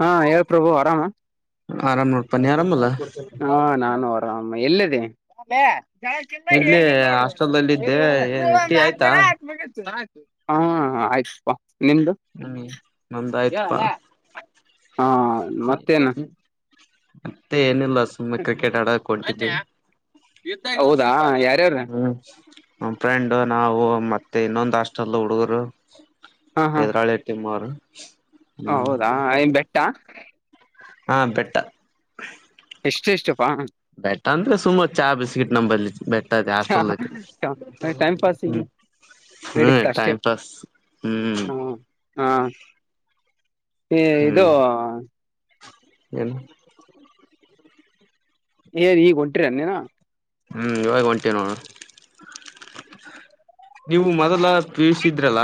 ಹಾ ಹೇಳ ಪ್ರಭು ಆರಾಮ. ಆರಾಮ್ ನೋಡ್ಪ ನಿ ಆರಾಮ ಅಲ್ಲ. ಹಾ ನಾನು ಆರಾಮ ಎಲ್ಲೆದಿ. ಅಭ್ಯ ಜ್ಯಾಳಕಿಂತ ಏ ಇಲ್ಲಿ ಇಲ್ ನೋಡು ಹಾಸ್ಟೆಲ್ಲ್ಲಿ ಪೆರಿ ಇದ್ದೆ ಹೊಡದ ಪು ಟೀ ಒಂದ್ ಆಯ್ತಾ ಹಾಕ್ತಾರ ಆಗ [unintelligible] ಹಾ ಆಯ್ತಪಾ. ನಿಮ್ದು ಹ್ಮ್ ನಮ್ದ ಏ ಆಯ್ತಪಾ ಅಲೆ ಹ ಮತ್ತೇನ. ಮತ್ತೆ ಏನಿಲ್ಲ ಸುಮ್ನೆ ಕ್ರಿಕೆಟ್ ಆಡಕ ಹೊಂಟಿದ್ವಿ ಹೌದಾ ಯಾರ್ಯಾರ ಹ್ಮ್. ನಮ್ಮ್ ಫ್ರೆಂಡ್ ನಾವು ಮತ್ತೆ ಇನ್ನೊಂದು ಹಾಸ್ಟೆಲ್ ಹುಡುಗುರು. ಎದರಾಳಿ ಟಿಮ್ ಅವ್ರು. ಹ ಹೌದಾ ನ್ ಬೆಟ್ಟ ಹ ಬೆೆಟ್ಟ ಎಷ್ಟ ಎಷ್ಟಪ್ಪಾ ಅಂದ್ರೆ ಸುಮತ್ ಚಹ ಬಿಸ್ಕಿಟ್ ನಂಬಲ್ಲಿ ಬೆಟ್ಟದೆ ಆಸ್ಲ್ ಟೈಮ್ ಹ್ಮ ಪಾಸಿಗೆ ಹ್ಮ್ ನಡೀತ ಅಷ್ಟೇ ಟೈಮ ಪಸ್ ಹ್ಮ್ ಹಾಂ ಇದು ಹ್ಮ್ ಏನು ಏ ಈಗ ಹೊಂಟ್ರ ಅನ್ನೇನಾ ಹ್ಮ್ ಇವಾಗ ಒಂಟಿ ನೋ ನೀವು ಮೊದಲ ಪೀಸಿದ್ರಲ್ಲ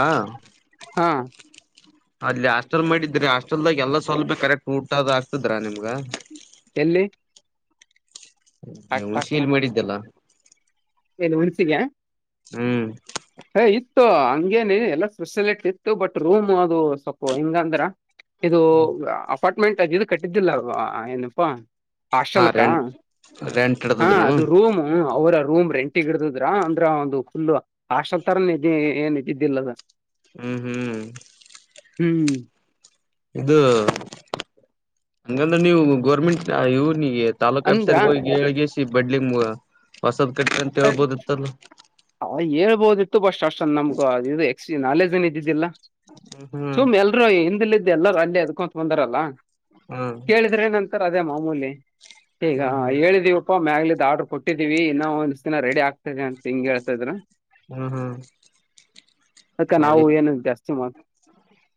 ಹಾ ಅಲ್ಲಿ ಹಾಸ್ಟೆಲ್ ಮಾಡಿದ್ರಿ ಹಾಸ್ಟೆಲ್ದಾಗ ಎಲ್ಲಾ ಸ್ವಲ್ಪ ಕರೆಕ್ಟ್ ಊಟದ ಆಗ್ತದ್ರಾ ನಿಮ್ಗ ಎಲ್ಲಿ ಉನ್ಷಿಯಲ್ಲಿ ಮಾಡಿದ್ದಲ್ಲ ಹೇಳನು ಹನ್ಸಿಗೆ [unintelligible] ಹ್ಮ್ ಏ ಇತ್ತು ಹಂಗೇನ ಎಲ್ಲಾ ಸ್ಪೆಸಿಲಿಟಿ ಇತ್ತು ಬಟ್ ರೂಮ್ ಅದು ಸೊಪ್ಪು ಹಿಂಗ ಅಂದ್ರ ಇದು ಅಪಾರ್ಟ್ಮೆಂಟ್ ಅ ಇದು ಕಟ್ಟಿದ್ದಿಲ್ಲವಾ ಏನಪ್ಪಾ ಹಾ ಹಾಸ್ಟೆಲ್ಕ್ಕಾ ರೆಂಟ್ ರೆಂಟ್ ಹಾ ಇಡ್ತದ್ರನು ಅದು ರೂಮ ಅವರ ರೂಮ್ ರೆಂಟಗಿಡತದ್ರ ಅಂದ್ರ ಒಂದು ಫುಲ್ ಹಾಸ್ಟೆಲ್ ತರ ಇದ ಏನ್ ಇದ ಇದಿದ್ದಿಲ್ಲದ ಹ್ಮ್ ಹ್ಮ್ ಹ್ಮ್ ಇದು ಹಂಗಂದ್ರೆ ನೀವು ಗೋರ್ಮೆಂಟ್ ಇವನಿಗೆ ತಾಲೂಕ್ ಅಂದ್ರ ಆಫೀಸರ್ ಗೆ ಹೋಗಿಳ್ಗಸ ಬಡ್ಲಿಗ್ಗ ಹೊಸದ ಕಟ್ಟ ಅಂತ ಅದ್- ಹೇಳ್ಬೋದಿತ್ತಲ್ಲ ಅವ ಬಟ್ ಹೇಳ್ಬೋದಿತ್ತು ಅಷ್ಟಂದ ನಮಗು ಇದು ಎ ನಾಲೆಜ್ ಏನ್ ಇದಿದ್ದಿಲ್ಲ ಹ್ಮ್ ಸುಮ್ ಎಲ್ರೂ ಹ ಎಲ್ಲರ ಅಲ್ಲಿ ಅದಕೊಂತ ಬಂದಾರಲ್ಲ ಹ್ಮ್ ಕೇಳಿದ್ರೆನಂತರ್ ಅದೇ ಮಾಮೂಲಿ ಹೇಗ ಹ್ಮ್ ಹ್ಮ್ ಹೇಳಿದಿವವಪ್ಪಾ ಮ್ಯಾಗಲಿದ್ದ ಆಡ್ರರು ಕೊಟ್ಟಿದ್ದೀವಿ ಇನ್ನ ಒಂದ ದಿನ ರೆಡಿ ಆಗ್ತದೆ ಅ ಹಿಂಗ ಹೇತ ಇದ್ರರು ಹ್ಮ್ ಹ್ಮ್ ಅದ್ಕ ಆ ರೀ ನಾವು ಏನು ಜಾಸ್ತಿ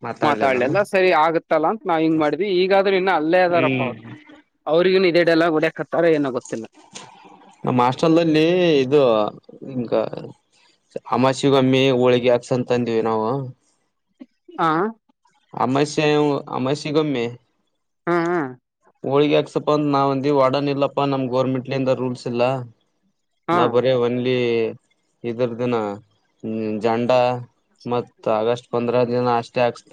ಮಾತಾಡ್ಲಿಲ್ಲಾನು ಮಾತಾಡ್ಲೆಲ್ಲ ಸರಿ ಆಗ ಇತ್ತಲ್ಲ ಅಂತ ನಾವ್ ಹಿಂಗ ಮಾಡ್ವಿ ಈಗಾದ್ರೆ ಇನ್ನ ಅಲ್ಲೇ ಅದಾರಕ್ಕ ಹ್ಮ್ ಅವರು ಅವ್ರಿಗೂ ಇದೇಡೆ ಎಲ್ಲ ಹೊಡಡೆಕತ್ತಾರೆ ನಮ್ಮ ಹಾಸ್ಟೆಲ್ ಇದು ಗ ಅಮಾವಸೆ ಗೊಮ್ಮಿ ಹೋಳಿಗೆಿ ಹಾಕ್ಸಂತಂದಿವವಿ ನಾವು ಹಾ ಅಮಾಸ್ಯ ಅಮಾಸ್ಯ ಗಮ್ಮೆ ಹಾ ಹಾ ಹೋಳಿ ಹಾಕ್ಸಪ್ಪ ಅಂದ ನಾವ್ಂದ ವಡನ್ ಇಲ್ಲಪ್ಪಾ ನಮ್ ಗೋರ್ಮೆಂಟ್ಲಿಂದ ರೂಲ್ಸ್ ಇಲ್ಲಾ ಹಾ ನಾವ ಬರೀ ಒನ್ಲ್ಲಿ ಇದರ್ ದಿನ ಜಾಂಡ ಮತ್ತ್ ಆಗಸ್ಟ್ ಒದ್ರ ದಿನ ಅಷ್ಟೇ ಆಕ್ಸ್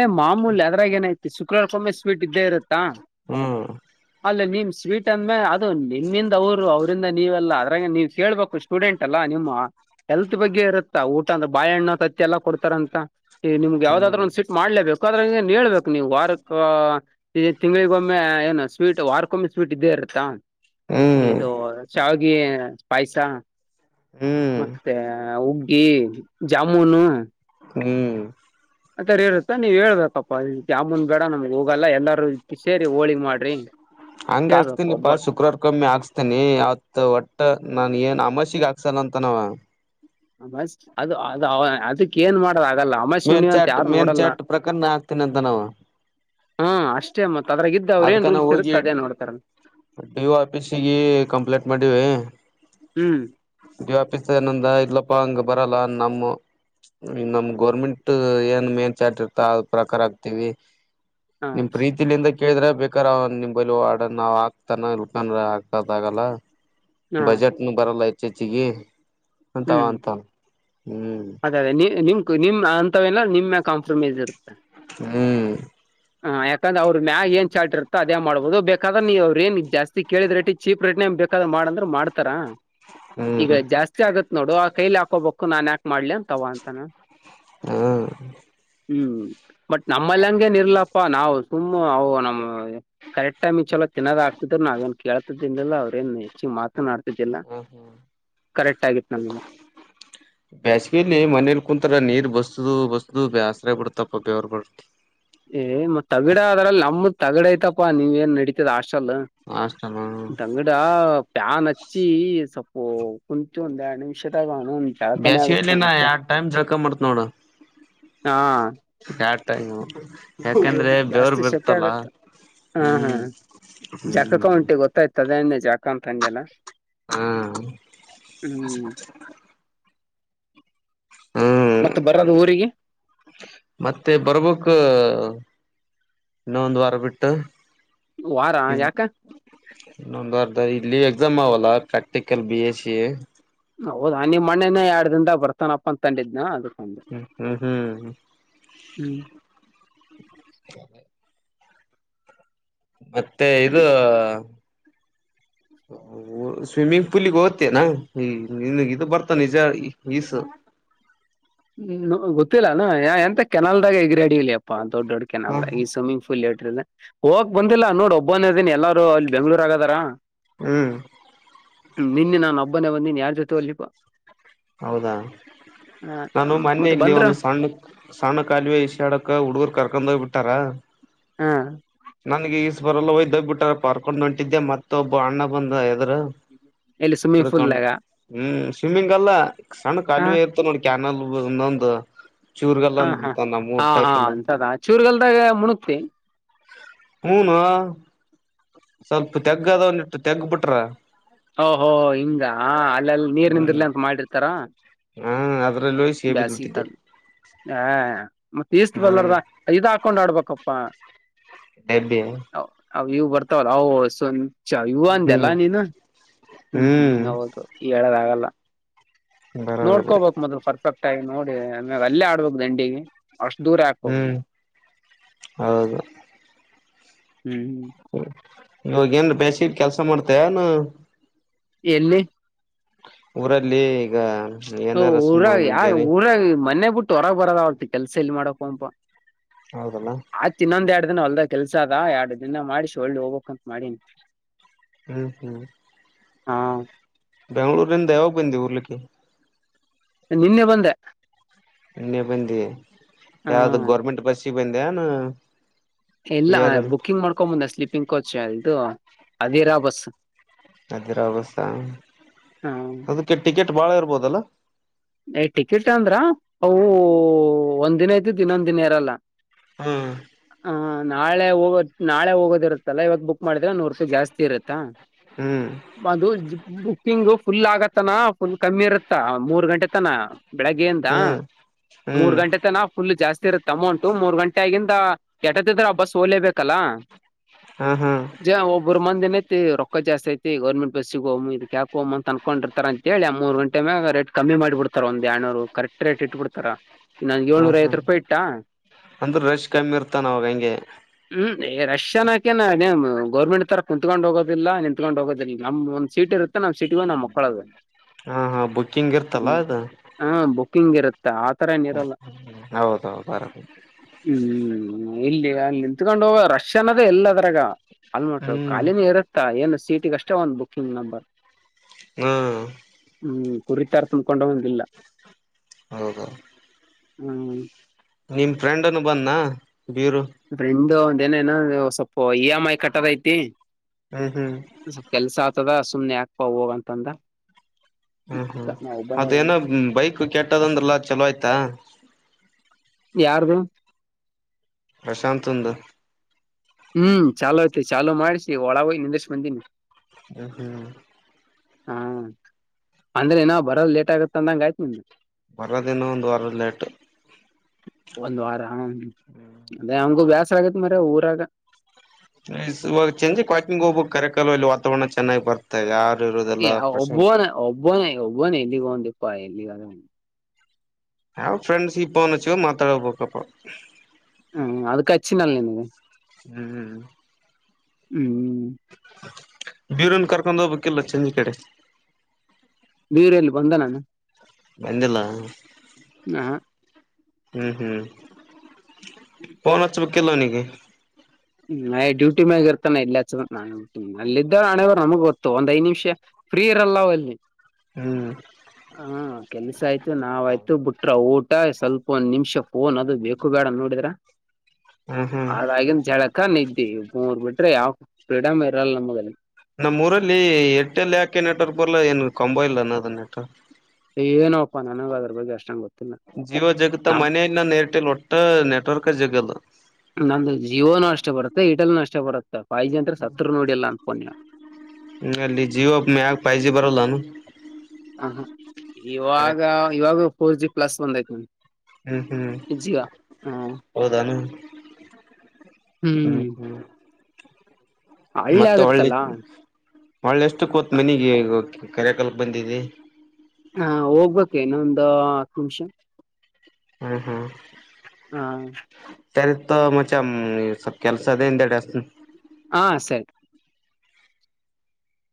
ಏ ಮಾಮೂಲಿ ಅದ್ರಾಗೇನೆ ಆ ಶುಕ್ರವಾರಕ್ಕೊಮ್ಮೆ ಸ್ವೀಟ್ ಇದ್ದೇ ಇರುತ್ತಾ ಹ್ಮ್ ಅಲ್ಲ ನಿನ್ ಸ್ವೀಟ್ ಅಂದ್ಮೇ ಅದು ನಿಮ್ಮಿಂದ ಅವರು ಅವ್ರಂದ ನೀವೆಲ್ಲ ಅದ್ರಾಗ ನೀವ್ ಕೇಳ್ಬೇಕು ಸ್ಟೂಡೆಂಟ್ ಅಲ್ಲಾ ನಿಮ್ಮ ಎಲ್ತ್ ಬಗ್ಗೆ ಇರುತ್ತೆ ಊಟ ಅಂದ್ರ ಬಾಣೆಣ್ಣ ತತ್ತಿಎಲ್ಲ ಕೊಡ್ತಾರ ಅಂತ ಈ ನಿಮ್ಗೆ ಹ್ಮ್ ಯಾವ್ದಾದ್ರು ಒಂದು ಸ್ವಿಟ್ ಮಾಡ್ಲೇಬೇಕು ಅ್ರ ದರೆ ಹೇಳ್ಬೇಕು ನೀವು ವಾರಕ್ಕ ತಿಂಗಳಿಗೊಮ್ಮೆ ಏನು ಸ್ವೀಟ್ ವಾರಕ್ಕೊಮ್ಮೆ ಸ್ವೀಟ್ ಇದೇ ಇರುತ್ತಾ ಹ್ಮ್ ಇದು ಶಾವಿಗೆ ಸ್ಪೈಸ ಹ್ಮ್ ಮತ್ತೆ ಹುಗ್ಗಿ ಜಾಮೂನು ಹ್ಮ್ ಆತರ ಇರುತ್ತ ನೀವ್ ಹೇಳ್ಬೇಕಪ್ಪಾ ಜಾಮೂನ್ ಬೇಡ ನಮ್ಗ್ ಹೋಗಲ್ಲ ಎಲ್ಲಾರೂ ಸೇರಿ ಹೋಳಿಗಿ ಮಾಡ್ರಿ ಹ [inaudible] ಹಂಗ ಹೇಳ್ಬೇಕು ಒಬ್ಬ ಹಾಕ್ತಿನಿಪಾ ಶುಕ್ರವಾರ್ ಕಮ್ಮಿ ಹಾಕ್ಸ್ತೀನಿ ಅವತ್ ಒಟ್ಟ ನಾನ್ ಏನ್ ಅಮಾಸಿಗೆ ಹಾಕ್ ಸ ಅಂತನವ. ಅದಕ್ಕ ಏನ್ ಮಾಡೋದು ಆಗಲ್ಲ ಅಮಸೆ ಮೇನ್ ಹುಣ್ಣಿಮೆ ಅಂತ ಚಾಟ್ ಯಾರು ಮೇನ್ ನೋಡಲ್ಲ. ಚಾಟ್ ಪ್ರಕಾರ ನಾ ಹಾಕ್ತೇನಿ ಅಂತ ನಾವ ಹು ಅಷ್ಟೇ ಮತ್ ಅದ್ರಾಗಿದ್ದ ಅವ್ರ ಏನ್ ರೂಲ್ಸ್ ಇರುತ್ತೆ ಅದೇ ನೋಡ್ತಾರ. ಡಿಒ ಆಫೀಸಿಗಿ ಕಂಪ್ಲೇಂಟ್ ಮಾಡೀವಿ. ಹ್ಮ್ ಡಿ ಆಫೀಸ್ ಏನಂದಾ ಇಲ್ಲಪ್ಪಾ ಅಂಗ ಬರಲ್ಲ ನಮ್ಮು ನಮ್ಮ. ಗೋರ್ಮೆಂಟ್ ಏನ್ ಮೇನ್ ಚಾಟ್ ಇರ್ತ ಅ ಪ್ರಕಾರ ಆಗ್ತೀವಿ ಹ ನಿಮ್ಮ್ ಪ್ರೀತಿಯಿಂದ ಕೇಳಿದ್ರಾ ಬೇಕಾರ ಅವ ನಿಮ್ ಬಲಿ ವಾರ್ಡ್ನಾ ಅವಾ ಹಾಕ್ತನಾ ಇಲ್ಲ [unintelligible] ಆಕದ ಆಗಲ್ಲ. ಹ ಬಜೆಟ್ನು ಬರಲ್ಲ ಹೆಚ್ಚ್ ಹೆಚ್ಚಿಗಿ ಹ್ಮ್ ಅದೇ ಅದೇ ನೀ ನಿಮ್. ನಿಮ್ ಅಂತವೆಲ್ಲ ನಿಮ್ಮ್ ಕಾಂಪ್ರಮೈಸ್ ಇರುತ್ತೆ. ಹ್ಮ್ ಹ ಯಾಕಂದ್ರ ಅವ್ರ ಮ್ಯಾಗ ಏ ಚಾಟ್ ಇರತ್ತ ಅದೇ ಮಾಡಬಹದು ಬೇಕಾದ್ರ ನೀ ಅವ್ರ ಏನ್ ಜಾಸ್ತಿ ಕೇಳಿದ್ರರಟ್ಟ ಚೀಪ್ ರೆಟ್ನೆ ಬೇಕಾದ್ರ ಮಾಡಅಂದ್ರೆ ಮಾಡ್ತಾರ. ಹ್ಮ ಇಗತ್ ನೋಡು ಆ ಕೈಲಿ ಹಾಕೋಬೇಕು ನಾನ್ ಯಾಕ್ ಮಾಡ್ಲಿ ಅಂತ ಅವ ಅಂತಾನ. ಹಾ ಹ್ಮ್ ಬಟ್ ನಮ್ಮಲ್ ಅಂಗೇ ಇರ್ಲಪ್ಪಾ ನಾವು ಸುಮ್ ಅವು ನಮ್ಮ್ ಕರೆಕ್ಟ್ ಟೈಮ್ ಚಲೋ. ತಿನ್ನೋದ ಆಗ್ತಿದ್ರು ನಾವೇಏನ್ ಕೇಳ್ತಿದ್ದನ್ಲಿಲ್ಲ ಅವ್ರೇನ್ ಹೆಚ್ಚಿಗೆ ಮಾತನಾಡ್ತಿದ್ದಿಲ್ಲ. ಕರೆಕ್ಟ್ ಆಗಿತ್ ನಮ್ಗ ಬೇಸಿಗೆಯಲ್ಲಿ ಮನೇಲಿ ಕುಂತರ ನೀರ್ ಬಸ್ ಬ ಬಸ್ದು ಬ್ಯಾಸ್ರ ಬಿಡತಪ್ಪ ಬೆವ್ರ ಏ ಮತಗಡ ಅದ್ರಲ್ ನಮ್ಮುದ್ ತಗಡ ಐತಪ್ಪ ನೀವ ಏನ್ ನಡಿತತದ ಅಷ್ಟ್ ಅಷ್ಟಣ ತಗಡ ಪ್ಯಾನ್ ಹಚ್ಚಿ ಸ ಓ ಕುಂತು ಒಂದ್ ಎರಡ ನಿಮಿಷದಾಗ. ಜಳಕನೇ ಆಗುತ್ತ ಬೇಸಿಗೆಲ್ಲಿ ನಾನ ಮತ್ತೆ ಎಡ್ ಟೈಮ್ ಜಳಕಾ ಮಾಡತ್ನ್ ನೋಡು ಹಾ ಎರ್ [unintelligible] ಯಾಕಂದ್ರೆ ಬೇವರು ಬರ್ತಲ್ಲ. ಹ್ಮ ಹ್ಮ್ ಹ್ಮ್ ಜಕಕೆ ಉಂಟಿ ಗೊತ್ತಾಯ್ತ ಅದೆಂದ ಜಳಕ ಅಂತ ಅಂದೆಲ್ಲ. ಹ್ಮ್ ಹ್ಮ್ ಹ್ಮ್ ಮತ್ತ ಬರೋದು ಊರಿಗೆ ಮತ್ತೆ ಬರ್ಬೇಕು. ಇನ್ನ ಒಂದು ವಾರ ಬಿಟ್ಟು. ವಾರಾ ಯಾಕ. ಇನ್ನೊಂದ್ ವಾರದ ಇಲ್ಲಿ ಎಕ್ಸಾಮ್ ಆವಲ್ಲ ಪ್ರಾಕ್ಟಿಕಲ್ ಬಿ ಎಸ್ ಸಿ ಎ. ಹೌದಾ ನಿಮ್ಮ ಮಣ್ಣೇನೇ ಎರಡ್ ದಿಂದಾಗ ಬರ್ತಾನಪ್ಪ ಅಂತ ತಂದಿದ್ದ್ನ ಅದು. ಹ್ಮ್ ಹ್ಮ್ ಹ್ಮ್ ಹ್ಮ ಹ್ಮ್ ಮತ್ತೆ ಇದು. ಸ್ವಿಮ್ಮಿಂಗ್ ಪೂಲಿಗೆ ಹೊತೇನಾ ಈ ನಿನಗ ಇದು ಬರ್ತಾನೆ ನಿಜ ಈ ಹ್ಮ ಗೊತ್ತಿಲ್ಲಾನು ಎಂತ ಕೆನಾಲ್ದಾಗ ಹೆಗರಡಿ ಎಲ್ಲೆಪ್ಪ. ದೊಡ್ಡ ದೊಡ್ಡ ಹ ಕೆನಲ್ಲದಾಗ ಈ ಸ್ವಿಮಂಗ್ ಪುಲ್ ಯಡ್ ಹೋಗಕ್ ಬಂದಿಲ್ಲ ನೋಡು ಒಬ್ಬನ ಇದಿನಿ ಎಲ್ಲಾರು ಅಲ್ಲಿ ಬೆಂಗ್ಳೂರ್ ದಗಾ ಅದರಾ. ಹ್ಮ್ ನಿನ್ನೆ ನಾನು ಒಬ್ಬನೇ ಬಂದಿನಿ ಯಾರ ಜೊತೆ ಹೋಗ್ಲಿಪಾ. ಹೌದಾ ನಾನು ಮೊನ್ನೆ ಮತ್ತ ಇಲ್ಲಿ ಬಂದ್ರ ಒಂದು ಸಣ್ಣ ಸಣ್ಣ ಕಾಲವೆ ಇಶಾಡಕ್ ಹುಡುಗರು ಕರಕೊಂಡೊಗಿ ಬಿಟಾರ. ಹ.. ನನಗೆ ಈಜ ಬರಲ್ಲ ಹೋಗಿ ದಬಿಟಾರಪ್ಪ ಹರಕೊಂಡ ಒಂಟಿದ್ದೇ ಮತ್ತ ಒಬ್ಬ ಅಣ್ಣಬಂದ ಎಬ್ [unintelligible] ದ್ರ ಎಲ್ಲಿ ಸ್ವಿಮ್ಮಿಂಗ್ ತಿಳ್ಕೊಂಡ ಪೂಲ್ದಾಗ ಹ್ಮ. ಸ್ವಿಮ್ಮಿಂಗ್ ಅಲ್ಲ ಸಣ್ಣ ಹ ಕಾಲುವೆ ಇತ್ತ ನೋಡ ಕ್ಯಾನಲದ ಇನೋಂದ. ಹ ಹ ಹಾ ಹಾ ಅಂತದಾ ಚೂರಗಲ್ದಾಗ ಮುಣಗ್ತೀ. ಹೂನೋ ಸ್ವಲ್ಪ ತೆಗ್ಗದ ವಂದಿಟ್ಟು ತೆಗ್ಗ ಬಿಟ್ರ. ಓಹೋ ಹಿಂಗ ಆ ಅಲ್ಲೆಲ್ಲಿ ನೀರ್ ಹ್ಮ್ ನಿಂದರ್ಲೆಂತ್ತ ಅಂತ ಮಾಡಿರ್ತಾರ ಹಾ ಅದ್ರಲ್ಲಿ ಹೋಗಿ ಸೇಬಿದ್ ಬಸಿ ಬಿಟ್ಟಿದ್ದೆ ಕಾಲ ಹಾ [inaudible] ಮತ್ತ ಈಸ್ಟ್ ಹ್ಮ್ ಬಲ್ಲಾರದ ಐದ ಹಾಕೊಂಡ್ ಆಡ್ಬಬೇಕಪ್ಪಾ ಡೆಬ್ಬಿ ಅವ ಇವ ಬರ್ತಾವಲ್ಲ ಅವ ಸ್ವಚ ಇವು ಹ್ಮ್ ಅಂದ್ಯಲ್ಲಾ ನೀನು ಹೂ ಹೂ ಹ್ಮ್ ಹೌದ ಹೇಳದ ಆಗಲ್ಲ ಬರೋಬರಿ ನೋಡ್ಕೋಬಕ್ ಮೊದ್ಲು ಪರ್ಫೆಕ್ಟ್ ಆಗಿ ನೋಡಿ ಆಮೇಲೆ ಅಲ್ಲೇ ಆಡ್ಬುಕ ದಂಡಿಗೆ ಅಷ್ಟ ದೂರ ಯಾಕ್ ಹೋಗ್ಬೇಕು ಹ್ಮ್ ಹೌದು ಹೂ ಇವಾಗೇಏನ್ ಬೇಸಿಗಿ ಕೆಲಸ ಮಾಡ್ತೇಯಾನ ಎಲ್ಲಿ ಊರಲ್ಲಿ ಈಗ ಹ ಏನಾರ ಸುಮ್ಮ ಊರಾಗ ಯಾ ಮುಂಜಾನೆ ಊರಾಗ ಮನೇ ಬಿಟ್ಟು ಹೊರಾಗ ಬರದ ಅರದ ಆಗವಲ್ತ ಕೆಲ್ಸ ಎಲ್ಲಿ ಮಾಡಕ ಅಂತ್ತ ಹೌದಲ್ಲಾ ಇಟ್ ದಿನ ಹೊಲ್ದ ಕೆಲ್ಸ ಅದ ಎರಡ್ ದಿನ ಮಾಡಿ ಹೊಳ್ ಹೋಗ್ಕ್ ಅಂತ ಮಾಡಿಿನಿ ಹೂ ಹೂ [inaudible] ಹಾ ಬೆಂಗಳೂರ ರಿಂದ ಯಾವಾಗ ಬಂದ್ದಿ ಉರ್ಲಿಕ್ಕೆ ನಿನ್ನೆ ಬಂದೆ ಇನ್ನೆ ಬಂದಿ ಹ ಯಾವ್ದ ಗೊರ್ಮೆಂಟ್ ಬಸ್ಸಿಗೆ ಬಂದೇನ ಇಲ್ಲ ಬುಕಿಂಗ್ ಮಾಡ್ಕೊಂಬಂದೆ ಸ್ಲೀಪಿಂಗ್ ಕೋಚ್ ಇದು ಅದ್ದಿರಾ ಬಸ್ ಅದಿರಾ ಬಸ್ ಹ ಅದಕ್ಕೆ ಟಿಕೆಟ್ ಬಾಳ ಇರ್ಬೋದಲ್ಲ ಏ ಟಿಕೆಟ್ ಅಂದ್ರ ಅವು ಒಂದ ದಿನ ಇದ್ದಿದ ಇನೊಂದ್ ದಿನ ಇರಲ್ಲ ಹ ಹ ನಾಳೆ ಹೋಗದ ನಾಳೆ ಹೋಗೋದಿರತ್ತಲ್ಲ ಇವತ ಬುಕ್ ಮಾಡಿದ್ರೆ ನೂರು ರೂಪಾಯಿ ಜಾಸ್ತಿ ಇರುತ್ತಾ ಹ್ಮ್ ಒಂದು [inaudible] ಬುಕ್ಕಿಂಗು ಫುಲ್ ಆಗತ್ತನ ಫುಲ್ ಕಮ್ಮಿ ಇರತ್ತ ಮೂರ್ ಗಂಟೆ ತನ ಬೆಳಗ್ಗೆ ಇಂದ ಹ್ಮ್ ಮೂರ್ ಹ್ಮ್ ಗಂಟೆತನ ಫುಲ್ ಜಾಸ್ತಿ ಅಮೌಂಟು ಮೂರ್ ಗಂಟೆ ಆಗಿಂದ ಎಟತಿದ್ರು ಆ ಬಸ್ ಓಲೇಬೇಕಲ್ಲ ಹಾ ಹಾ ಜ ಒಬ್ರಮಂದಿ ನಿತ್ತ ರೊಕ್ಕ ಜಾಸ್ತಿಐತಿ ಗರ್ಮೆಂಟ್ ಬಸ್ಗಿ ಹೊಗಮ್ ಇದ ಹೋಗಮ್ಮ ಅಂತ್ತ ಅಂನಕೊಂಡಿರ್ತಾರ ಅಂತ ಹೇಳಿ ಆ ಮೂರು ಗಂಟೆ ಮಾಗ ರೇಟ್ ಕಮ್ಮಿ ಮಾಡಿಬಡ್ತ ಒಂದ್ಯಯಾಡ ನೂರ ಕರೆಕ್ಟ್ ರೇಟ್ ಇಟ್ಬಿಡ್ತಾರ ನಂಗೆ ಹಾ ಏಳ್ನೂರ ಹಾ ಐವತ್ ರೂಪಾಯಿ ಇಟ್ಟಾ ಅಂದ್ರ ರಶ್ ಕಮ್ಮಿ ಇರ್ತಾನ ಅವಾಗ ಹಂಗೆ ಹೂ ಏ ರಶ್ಯನ್ನಾಕ ಎನ ಅದೇನ ಗೊರ್ಮೆಂಟ್ ತರ ಕುಂತ್ಕೊಂಡ್ ಹೋಗೋದಿಲ್ಲ ನಿಂತ್ಕೊಂಡ್ ಹೋಗೋದಿಲ್ಲ ನಮ್ ಒಂದ ಸೀಟ್ ಇರುತ್ತೆ ನಮ್ಮಸಿಟಿಗೊಗಿ ನಾವು ಮಲ್ಕೊಲೋಡು ಹಾ ಹಾ ಬುಕ್ಕಿಂಗ್ ಇರ್ತಲ್ಲಾ ಅದ ಹಾ ಬುಕ್ಕಿಂಗ್ ಇರತ್ತ್ ಆತರ ಏನ ಇರಲ್ಲ ಹೌದೌದು ಬರ ಹೂ ಎಲ್ಲಿ ಅಲ್ಲಿ ನಿಂತ್ಕೊಂಡ ಹೋಗದ ರಷ್ಯನ್ದೇ ಇಲ್ಲ ಅದ್ರಾಗ ಆಲ್ಮೋಸ್ಟ್ ಹ್ಮ್ ಖಾಲಿನ ಇರುತ್ತ ಏನ್ ಸೀಟಿಗಷ್ಟೇ ಒಂದು ಬುಕ್ಕಿಂಗ್ ನಂಬರ್ ಹಾ ಹೂ ಕುರಿತಾರ ತುಂಬ್ಕೊಂಡು ಹೌದ ಹೂ ನಿಮ್ ಫ್ರೆಂಡನು ಬಂದ್ ನ ಅಂದ್ರೆ ಇಂದು ಅವಂದು ಏನ ಏನ ಸ್ವಲ್ಪ ಇ ಎಮ್ ಐ ಕಟ್ಟದ ಐತಿ ಹ್ಮ್ ಹ್ಮ್ ಸ ಸ್ವಲ್ಪ ಕೆಲಸಾಗ್ತದ ಸುಮಮ್ಮನೆ ಆಾಕ್ಪ ಹೋಗಂತಂದ ಹ ಹಾ ನಾ ಒಬ್ಬನೇ ಅದೇಏನ ಬಂದ್ ಬೈಕ್ ಕೆಟ್ಟದಂದ್ರಲ್ಲ ಚಲೋ ಆಯ್ತಾ ಯಾರ್ದು ಪ್ರಶಾಂತಂದು ಹ್ಮ ಚಾಲೋ ಅತ ಚಾಲು ಮಾಡಸಿ ಒಳಗೆ ಹೋಗಿ ನಿಂದಶ ಬಂದಿನೀ. [unintelligible] ಹ್ಮ ಅಂದ್ರ ಇನ್ನ ಬರದ ಲೇಟ್ ಆಗತ್ತ ಅಂದಂಗ ಆಯ್ತ ನಿಮ್ದ ಬರೋದ ಇನ್ನು ಒಂದ ವಾರ ಲೇಟ್. ಒಂದ್ ವಾರ ಹ ಅದೇ ಅವಂಗೂ ಬ್ಯಾಸ್ರ ಆಗತ್ ಮಾರಾಯ ಊರಾಗ. ಸ್ವ ಸಂಜೀಕ ವಾಕಿಂಗ್ ಹೋಗ್ಬೇಕ ಕರೆಕಾಲಲು ಅಲ್ಲಿ ವಾತಾವರಣ ಚೆನ್ನಾಗ ಬರ್ತ ಯಾರ ಯಾ ಒಬ್ಬೊನ ಒಬ್ಬೊನ ಒಬ್ಬನ ಎಲ್ಲಿಗ ಇಪ್ಪ ಎಲ್ಲಿಗ ಯಾವ್ ಫ್ರೆಂಡ್ಸ್ಗ ಫೋನ್ ಹಚ್ಚಿಗೋದ ಮಾತಾಡಬೇಕಪ್ಪ. ಹ್ಮ ಅದಕ್ಕಚ್ಚಿನಲ್ಲ ನಿನಗ ಹ್ಮ ಹ್ಮ. ಹ್ಮ. ಬ್ಯೂರನ್ ಕರ್ಕೊಂಡ ಹೋಗಬೇಕ ಇಲ್ಲ ಸಂಜಿ ಕಡೆ ಬೀರ ಎಲ್ಲಿ ಬಂದನ. ಬಂದಿಲ್ಲ. ಹ ಹ್ಮ ಹ್ಮ ಫೋನ್ ಹಚ್ಬೇಕಿಲ್ಲ ಅವನಿಗ ಎ ಡ್ಯೂಟಿ ಮ್ಯಾಗ ಇರ್ತಾನ ಎಲ್ಲ ಹಚ್ಬೇಕ ನಾನ ಅಲ್ಲಿದ್ದ ಹಣೆವರ ನಮ್ಗ ಗೋತ್ತು ಒಂದ್ ಐದ ನಿಷ ಫ್ರೀ ಇರಲ್ಲ ಅವಲ್ಲಿ ಹ್ಮ್ ಹ ಕೆಲ್ಸ ಆಯ್ತು ನಾವಾಯ್ತು ಬಿಟ್ರ ಊಟ ಸ್ವಲ್ಪ ಒಂದ ನಿಮಿಷ ಫೋನ್ ಅದ ಬೇಕು ಬೇಡ ನೋಡಿದ್ರ ಹ್ಮ್ ಹ್ಮ್ ಆದಾಗಿನ್ ಜಳ ಕ ನಿದ್ದಿ ಮುರ ಬಿಟ್ರ ಯಾವ ಫ್ರೀಡಂ ಇರಲ್ಲ ನಮಗ ನಮ್ಮ ಊರಲ್ಲಿ ಏರ್ಟೆಲ್ ಯಾಕೆ ನೆಟ್ವರ್ಕ್ ಬರ್ಲ್ಲ ಏನ ಕಂಬೋ ಇಲ್ಲ ಏನ ಅದ ನೆಟ್ವರ್ಕ್ ಏನೋಪ್ಪಾ ನನಗ ಅದ್ರ ಬಗ್ಗೆ ಅಷ್ಟ ಗ ಜಿಯೋ ಜಗತ್ತ ಮನೇಲಿ ನನ್ ಏರ್ಟೆಲ್ ಒಟ್ಟ ನೆಟ್ವರ್ಕ್ ಜಗಲ್ಲ. ನಂದ ಜಿಯೋಣ ಏರ್ಟೆಲ್ನು ಅಷ್ಟೇ ಬರೋದು. ಫೈಜಿ ಅಂತ್ರ ಸತ್ರು ನೋಡಿಲ್ಲ ನ ಫೋನ್ ನ್ಯಾ ಹ್ಮ್ ಅಲ್ಲಿ ಜಿಯೋ ಮ್ಯಾಗ ಫೈ ಜಿ ಬರಲ್ಲಾನು ಇವಾಗ ಇವಾಗ ಫೋರ್ ಜಿ ಪ್ಲಸ್ ಬಂದತ ನ ಹ್ಮ ಹ್ಮ ಹ್ಮ್ ಹೌದನ. ಹ್ಮ ಹ್ಮ್ ಹ್ಮ. ಹಳ್ಳೆ ಮತ್ತು ವಳ್ಳಿ ಆಗತ್ತಲ್ಲಾ ಹೊಳ್ಳಿ ಎಷ್ಟ ಕೋತ್ ಮನೀಗಿ ಈಗ ಕರೆ ಕಲ್ಕ ಬಂದಿದಿ. ದ ಕಮಷ ಹ್ಮ ಹ್ಮ. ತಲ್ ತೊ ಮಚ್ಚಾ ಸ್ವಲ್ಪ ಕೆಲಸದ ಹಿಂದಗಡೆ ಹಚ್ಚತ್ತನ. ಹ ಸರಿ.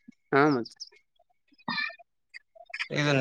ಹ [unintelligible]